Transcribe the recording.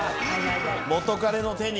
元カレの手に。